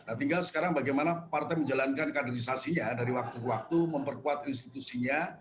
nah tinggal sekarang bagaimana partai menjalankan kaderisasinya dari waktu ke waktu memperkuat institusinya